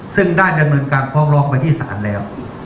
ซึ่งได้โดยการฟอร์กรองใบที่สรรแล้ว